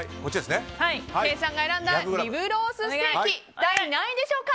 ケイさんが選んだリブロースステーキは第何位でしょうか。